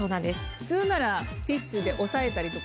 普通ならティッシュで押さえたりとかあるでしょ。